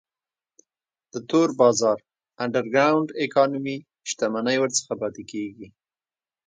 د تور بازار Underground Economy شتمنۍ ورڅخه پاتې کیږي.